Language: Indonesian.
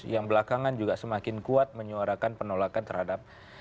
yang belakangan juga semakin kuat menyuarakan penolakan terhadap